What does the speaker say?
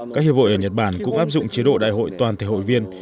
các hiệp hội ở nhật bản cũng áp dụng chế độ đại hội toàn thể hội viên